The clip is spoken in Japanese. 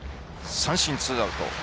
三振、ツーアウト。